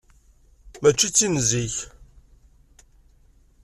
Mačči d tin zik.